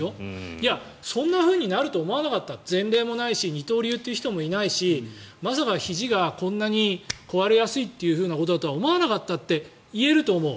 いや、そんなふうになると思わなかった前例もないし二刀流という人もいないしまさかひじがこんなに壊れやすいってことだとは思わなかったって言えると思う。